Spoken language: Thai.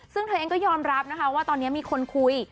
ซึ่งเธอเองก็ยอมรับนะคะว่าตอนนี้มีคนคุย